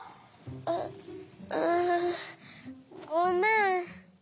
あっうんごめん。